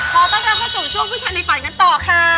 ขอต้อนรับเข้าสู่ช่วงผู้ชายในฝันกันต่อค่ะ